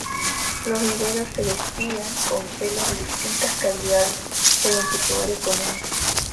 Los iberos se vestían con telas de distintas calidades, según su poder económico.